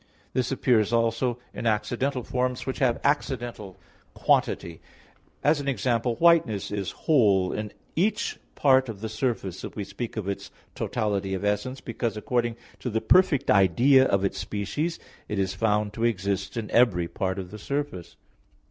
This appears also in accidental forms which have accidental quantity; as an example, whiteness is whole in each part of the surface if we speak of its totality of essence; because according to the perfect idea of its species it is found to exist in every part of the surface.